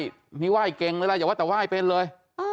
โอ้นี่ว่ายเก่งเลยล่ะอย่าว่าแต่ว่ายเป็นเลย